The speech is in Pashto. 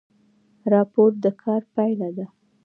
راپور د کار پایله ده